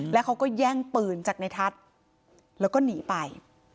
แล้วเขาก็แย่งปืนจากในทัศน์แล้วก็หนีไป